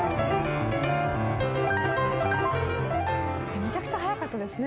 めちゃくちゃ速かったですね。